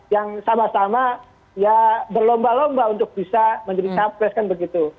yang sama sama ya berlomba lomba untuk bisa menjadi capres kan begitu